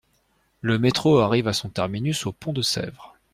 Le métro arrive à son terminus au pont de Sèvres.